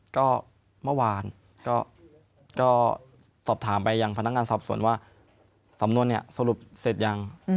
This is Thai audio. ก็เมื่อวานก็สอบถามไปยังพนักงานสอบสวนว่าสำนวนเนี่ยสรุปเสร็จยัง